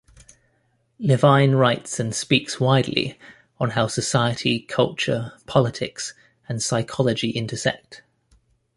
Levine writes and speaks widely on how society, culture, politics and psychology intersect.